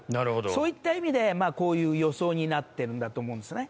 そういった意味でこういう予想になっているんだと思うんですね。